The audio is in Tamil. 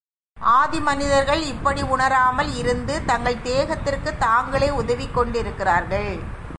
ஆதி மனிதர்கள் இப்படி உணராமல் இருந்து தங்கள் தேகத்திற்குத் தாங்களே உதவிக்கொண்டிருக்கின்றார்கள்.